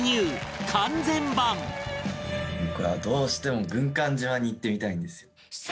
僕はどうしても軍艦島に行ってみたいんですよ。